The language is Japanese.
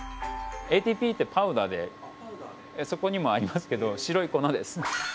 ＡＴＰってパウダーでそこにもありますけど白い粉です。